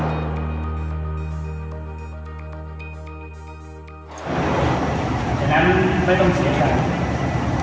ทีมชาติไทยโดยอีกละครึ่งน้ำไปแล้วครับ